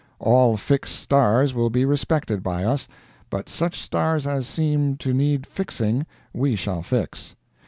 All fixed stars will be respected by us, but such stars as seem to need fixing we shall fix.